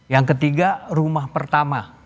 yang ketiga rumah pertama